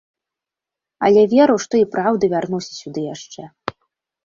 Але веру, што і праўда вярнуся сюды яшчэ.